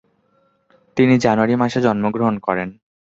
তিনি জানুয়ারি মাসে জন্মগ্রহণ করেন।